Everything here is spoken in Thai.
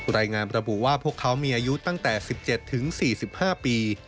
รายงานระบุว่าพวกเขามีอายุตั้งแต่๑๗๔๕ปี